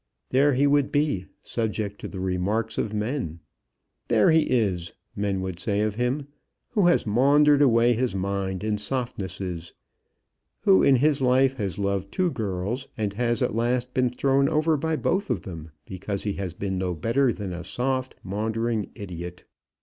There he would be, subject to the remarks of men. "There is he," men would say of him, "who has maundered away his mind in softnesses; who in his life has loved two girls, and has, at last, been thrown over by both of them because he has been no better than a soft maundering idiot."